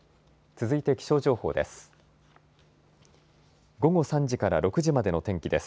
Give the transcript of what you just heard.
続いて、気象情報です。